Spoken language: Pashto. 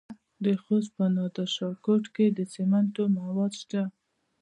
د خوست په نادر شاه کوټ کې د سمنټو مواد شته.